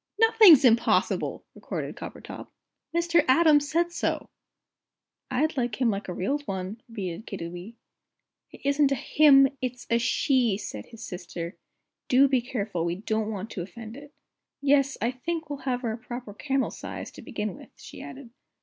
"Nothing's impossible!" retorted Coppertop; "Mr. Atom said so." "I'd like him like a real one," repeated Kiddiwee. "It isn't a 'him,' it's a 'she'!" said his sister. "Do be careful, we don't want to offend it." "Yes, I think we'll have her a proper camel size, to begin with," she added.